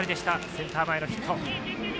センター前のヒット。